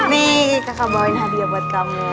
nih kakak bawain hadiah buat kamu